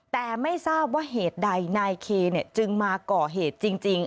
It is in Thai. แต่ไม่ทราบว่าเหตุใดนายเคจึงมาก่อเหตุจริง